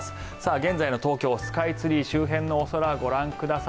現在の東京スカイツリー周辺の空ご覧ください。